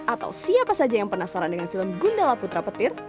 atau siapa saja yang penasaran dengan film gundala putra petir